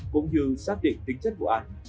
cũng như xác định tính chất của án